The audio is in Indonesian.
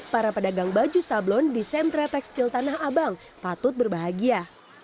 para pedagang baju sablon di sentra tekstil tanah abang patut berbahagia